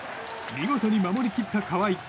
見事に守り切った川井。